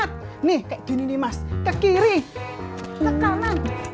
nih kayak gini nih mas ke kiri ke kanan